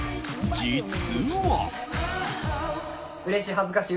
実は。